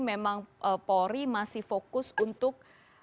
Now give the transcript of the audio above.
memang polri masih fokus untuk